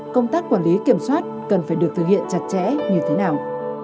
công tác quản lý kiểm soát cần phải được thực hiện chặt chẽ như thế nào